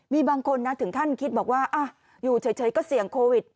มีบางคนนะถึงขั้นคิดบอกว่าอยู่เฉยก็เสี่ยงโควิด